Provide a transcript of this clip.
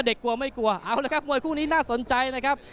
กลัวไม่กลัวเอาละครับมวยคู่นี้น่าสนใจนะครับ